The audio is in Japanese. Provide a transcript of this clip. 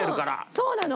そうなの。